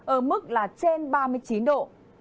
ở mức là trên ba mươi chín độ